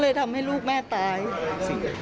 แต่กลายเป็นว่าโอ้โหลูกแม่ต้องมาเจอกับเรื่องเลวร้ายแบบนี้นะคะ